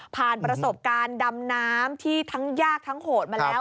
ประสบการณ์ดำน้ำที่ทั้งยากทั้งโหดมาแล้ว